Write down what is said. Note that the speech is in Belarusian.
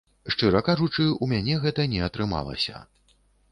Шчыра кажучы, у мне гэта не атрымалася.